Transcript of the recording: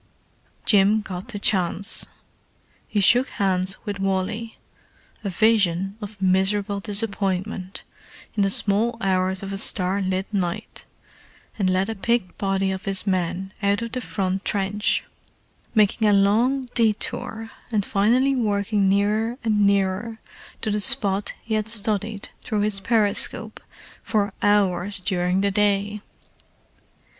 Jim got the chance. He shook hands with Wally—a vision of miserable disappointment—in the small hours of a starlit night, and led a picked body of his men out of the front trench: making a long detour and finally working nearer and nearer to the spot he had studied through his periscope for hours during the day.